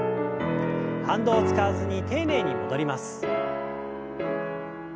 反動を使わずに丁寧に戻ります。